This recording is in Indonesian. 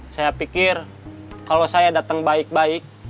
saya pikir kalau saya datang baik baik